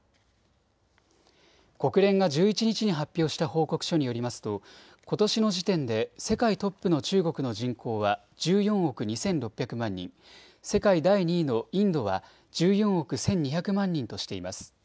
国連が１１日に発表した報告書によりますと、ことしの時点で世界トップの中国の人口は１４億２６００万人、世界第２位のインドは１４億１２００万人としています。